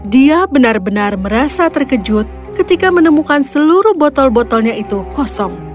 dia benar benar merasa terkejut ketika menemukan seluruh botol botolnya itu kosong